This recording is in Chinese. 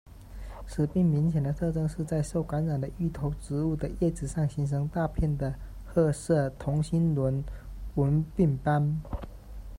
此病明显的特征是在受感染的芋头植物的叶子上形成大片的褐色同心轮纹病斑。